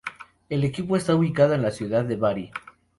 El equipo está ubicado en La Ciudad De Bari.